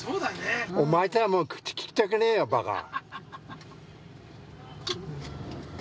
お前とはもう口利きたくねえよバカ。